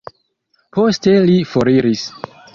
Poste li foriris.